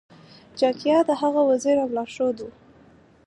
چാണکیا د هغه وزیر او لارښود و.